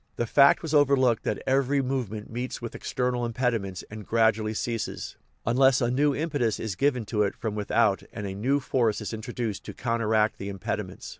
The fact was overlooked that every movement meets with external impediments and gradually ceases, un less a new impetus is given to it from without and a new force is introduced to counteract the impediments.